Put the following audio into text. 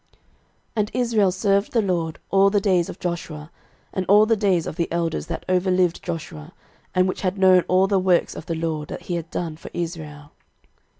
06:024:031 And Israel served the LORD all the days of Joshua, and all the days of the elders that overlived Joshua, and which had known all the works of the LORD, that he had done for Israel.